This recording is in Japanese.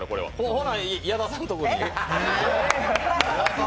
ほな、矢田さんとこに。